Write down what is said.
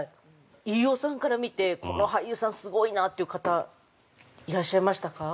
飯尾さんから見て、この俳優さんすごいなという方、いらっしゃいましたか？